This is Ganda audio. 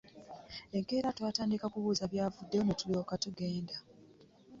Enkeera twatandikira ku kubuuza byavuddeyo ne tulyoka tugenda.